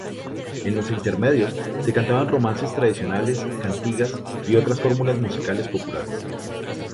En los intermedios se cantaban romances tradicionales, cantigas y otras formas musicales populares.